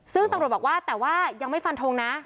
ซึ่งตำรวจบอกว่าแต่ว่ายังไม่ฟันทงนะ